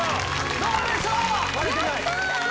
どうでしょう